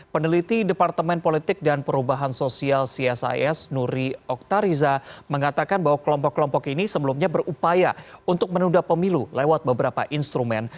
peneliti departemen politik dan perubahan sosial csis nuri oktariza mengatakan bahwa kelompok kelompok ini sebelumnya berupaya untuk menunda pemilu lewat beberapa instrumen